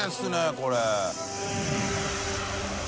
これ。